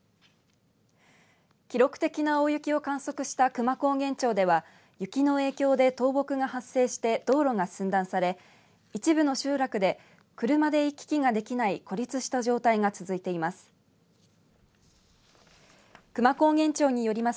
記録的な大雪を観測した久万高原町では雪の影響で倒木が発生して道路が寸断され一部の集落で車で行き来ができない孤立した状態が続いています。